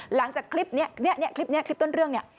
หลังจากคลิปนี้นี่นี่คลิปนี้คลิปต้นเรื่องนี่